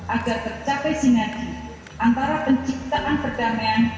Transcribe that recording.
agar tercapai sinergi antara penciptaan perdamaian